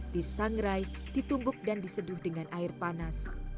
disangrai ditumbuk dan diseduh dengan air panas